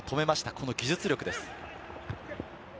この技術力です。